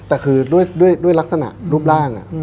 แต่คือด้วยลักษณะรูปร่าง